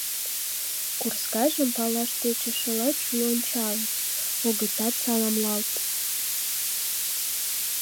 Курскайжым палаш тӧчышыла чуй ончалыт, огытат саламлалт.